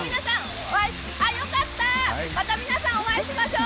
また皆さんお会いしましょう。